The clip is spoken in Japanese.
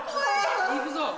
行くぞ。